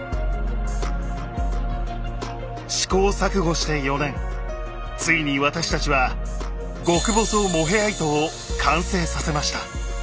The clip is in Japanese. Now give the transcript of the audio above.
試行錯誤して４年ついに私たちはを完成させました。